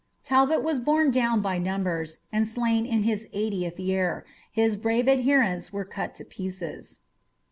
Talbot was borne down by numbers, and slain in his eightieth year ; his brave adherents were eut to pieces.